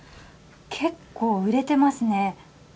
結構売れていますね。